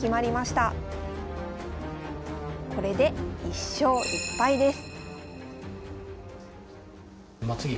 これで１勝１敗です。